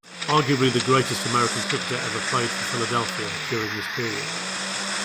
Arguably, the greatest American cricketer ever played for Philadelphia during this period.